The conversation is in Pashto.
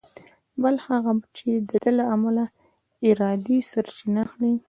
بل هغه یې د ده له ملې ارادې سرچینه اخلي.